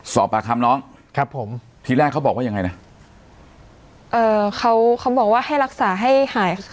สอบปากคำน้องครับผมทีแรกเขาบอกว่ายังไงนะเอ่อเขาเขาบอกว่าให้รักษาให้หาย